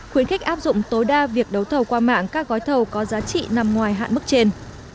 khuyến khích áp dụng tối đa việc đấu thầu qua mạng các gói thầu có giá trị nằm ngoài hạn mức trên